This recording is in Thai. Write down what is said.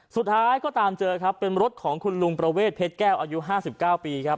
สุดท้ายก็ตามเจอครับเป็นรถของคุณลุงประเวทเพชรแก้วอายุ๕๙ปีครับ